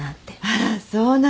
あらそうなの？